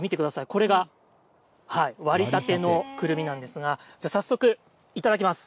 これが割りたてのくるみなんですが、早速、いただきます。